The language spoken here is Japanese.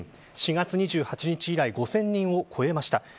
４月２８日以来５０００人を超えました。